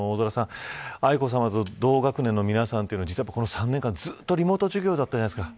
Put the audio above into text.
愛子さまと同学年の皆さまは３年間ずっとリモート授業だったじゃないですか。